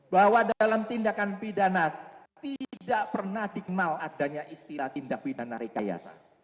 bahwa dalam tindakan pidana tidak pernah dikenal adanya istilah tindak pidana rekayasa